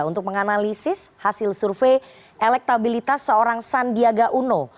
untuk menganalisis hasil survei elektabilitas seorang sandiaga uno